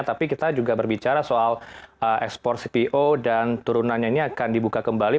tapi kita juga berbicara soal ekspor cpo dan turunannya ini akan dibuka kembali